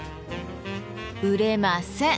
売れません。